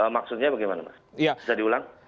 maksudnya bagaimana mas